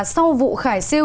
sau vụ khải siêu